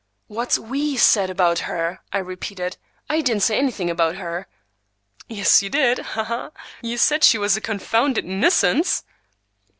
"What we said about her!" I repeated. "I didn't say anything about her." "Yes, you did. Ha, ha! You said she was a confounded nuisance!"